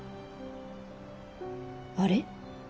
あれ？